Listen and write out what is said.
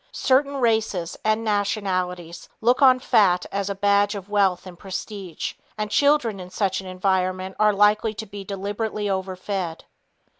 Certain races and nationalities look on fat as a badge of wealth and prestige, and children in such an environment are likely to be deliberately overfed.